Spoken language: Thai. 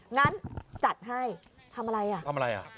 งั้นจัดให้ทำอะไรอ่ะ